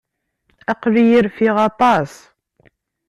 Aql-iyi rfiɣ aṭas.